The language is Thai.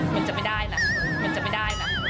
มันจะไม่ได้ล่ะมันจะไม่ได้ล่ะ